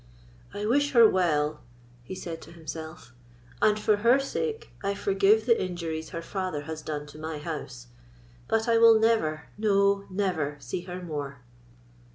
"I wish her well," he said to himself, "and for her sake I forgive the injuries her father has done to my house; but I will never—no, never see her more!"